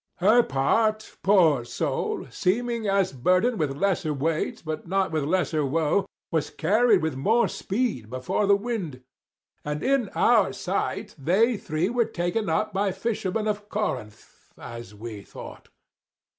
Her part, poor soul! seeming as burdened With lesser weight, but not with lesser woe, Was carried with more speed before the wind; 110 And in our sight they three were taken up By fishermen of Corinth, as we thought.